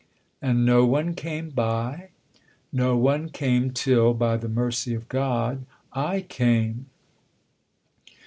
" And no one came by ?" "No one came till, by the mercy of God, / came